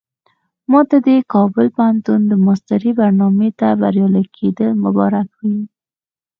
ماته دې د کابل پوهنتون د ماسترۍ برنامې ته بریالي کېدل مبارک وي.